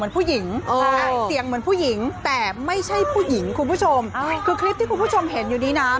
ผู้หญิงเสียงเหมือนผู้หญิงแต่ไม่ใช่ผู้หญิงคุณผู้ชมคือคลิปที่คุณผู้ชมเห็นอยู่นี้นะ